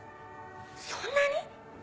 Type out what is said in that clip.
そんなに？